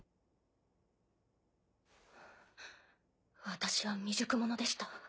私は未熟者でした。